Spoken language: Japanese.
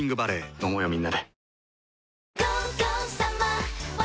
飲もうよみんなで。